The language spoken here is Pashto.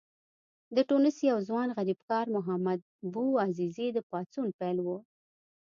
د ټونس یو ځوان غریبکار محمد بوعزیزي د پاڅون پیل و.